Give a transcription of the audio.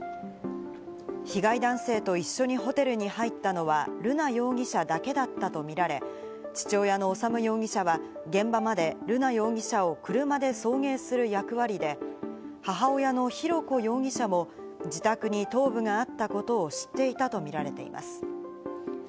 被害男性と一緒にホテルに入ったのは瑠奈容疑者だけだったとみられ、父親の修容疑者は現場まで瑠奈容疑者を車で送迎する役割で、母親の浩子容疑者も自宅に頭部があったことを知っていたとみられています。